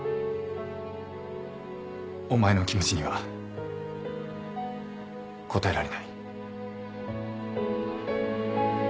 お前の気持ちには応えられない。